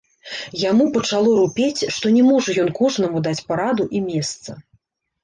Яму пачало рупець, што не можа ён кожнаму даць параду і месца.